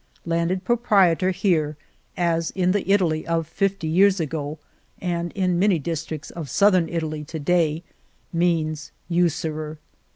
Landed proprie tor here, as in the Italy of fifty years ago (and in many districts of Southern Italy to day), means usurer.